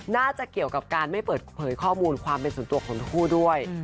น่าจะเกี่ยวกับการไม่เปิดเผยข้อมูลความเป็นส่วนตัวของทั้งคู่ด้วย